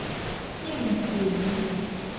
聖神